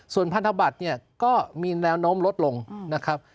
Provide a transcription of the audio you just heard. ส่วนพันธบาทก็มีแนวโน้มลดลงนะครับ